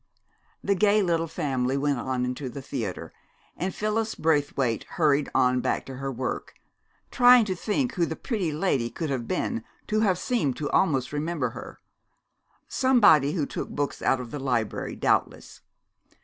The gay little family went on into the theatre, and Phyllis Braithwaite hurried on back to her work, trying to think who the pretty lady could have been, to have seemed to almost remember her. Somebody who took books out of the library, doubtless.